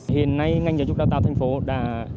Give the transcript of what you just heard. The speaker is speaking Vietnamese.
hiện nay ngành giáo dục đào tạo thành phố đã